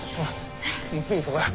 もうすぐそこや。